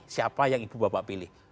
siapa yang ibu bapak pilih